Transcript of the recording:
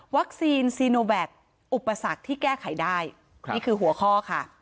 ซีโนแวคอุปสรรคที่แก้ไขได้นี่คือหัวข้อค่ะ